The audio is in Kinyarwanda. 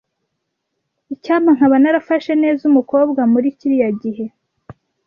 Icyampa nkaba narafashe neza umukobwa muri kiriya gihe.